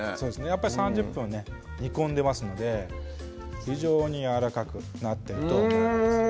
やっぱり３０分ね煮込んでますので非常にやわらかくなってると思います